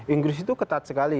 inggris itu ketat sekali